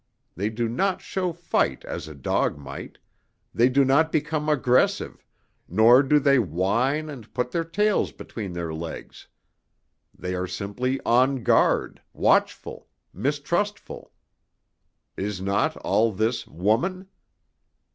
They do not show fight as a dog might, they do not become aggressive, nor do they whine and put their tails between their legs. They are simply on guard, watchful, mistrustful. Is not all this woman?"